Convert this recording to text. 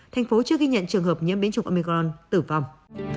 tp hcm chưa ghi nhận trường hợp nhiễm biến chủng omicron tử vong